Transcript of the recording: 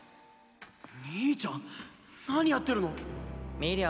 兄ちゃん⁉何やってるの⁉見りゃ